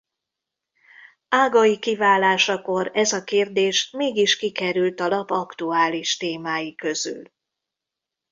Ágai kiválásakor ez a kérdés mégis kikerült a lap aktuális témái közül.